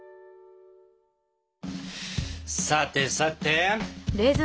さてさて。